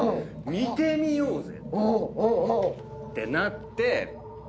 見てみようぜってなって。